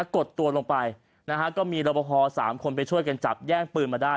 กดตัวลงไปนะฮะก็มีรบพอ๓คนไปช่วยกันจับแย่งปืนมาได้